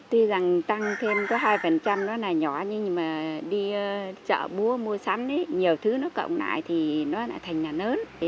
tuy rằng tăng thêm có hai nó là nhỏ nhưng mà đi chợ búa mua sắm nhiều thứ nó cộng lại thì nó lại thành nhà lớn